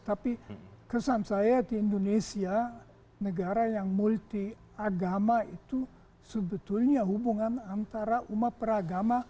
tapi kesan saya di indonesia negara yang multiagama itu sebetulnya hubungan antara umat peragama